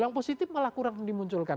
yang positif malah kurang dimunculkan